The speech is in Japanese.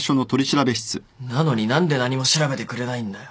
なのに何で何も調べてくれないんだよ。